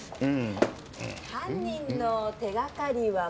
犯人の手掛かりはまだ。